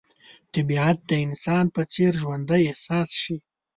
طبیعت د انسان په څېر ژوندی احساس شي.